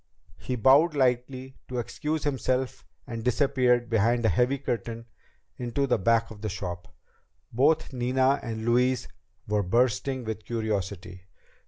He bowed slightly to excuse himself and disappeared behind a heavy curtain into the back of the shop. Both Nina and Louise were bursting with curiosity.